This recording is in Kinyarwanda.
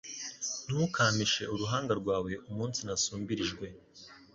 Ntukampishe uruhanga rwawe umunsi nasumbirijwe